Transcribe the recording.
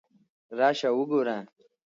راشه وګوره!